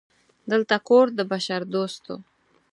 دلته کور د بشردوستو